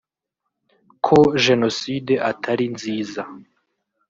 Ko Genocide atari nziza